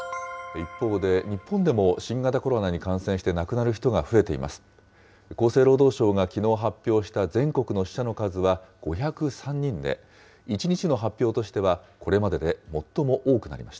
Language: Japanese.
一方で日本でも新型コロナに感染して亡くなる人が増えています。